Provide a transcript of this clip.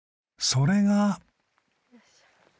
それが。